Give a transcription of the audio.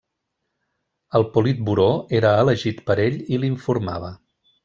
El Politburó era elegit per ell i l'informava.